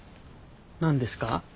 何ですか？